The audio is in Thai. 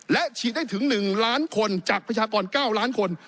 และฉีดได้ถึง๑ล้านคนจากประชากร๙ล้านคน